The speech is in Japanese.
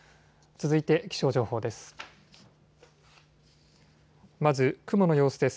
続いて気象情報です。